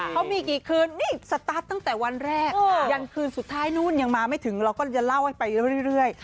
เขามีกี่คืนนี่สตาร์ทตั้งแต่วันแรกยันคืนสุดท้ายนู่นยังมาไม่ถึงเราก็จะเล่าให้ไปเรื่อย